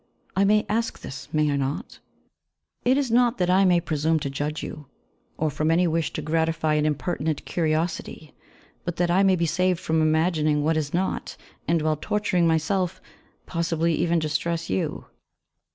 I may ask this, may I not? It is not that I may presume to judge you, or from any wish to gratify an impertinent curiosity, but that I may be saved from imagining what is not, and, while torturing myself, possibly even distress you.